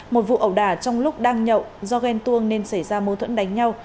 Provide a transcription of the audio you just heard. một vụ ẩu đả trong lúc đang nhậu do ghen tuông nên xảy ra mô thuẫn đánh nhau